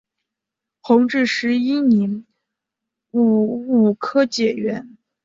弘治十一年戊午科解元。